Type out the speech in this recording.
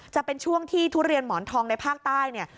จะเป็นช่วงที่ทุเรียนหมอนทองในภาคใต้เนี่ย